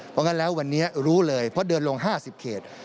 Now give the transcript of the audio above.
เพราะงั้นแล้ววันนี้รู้เลยเพราะเดินลง๕๐เขต